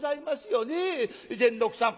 善六さん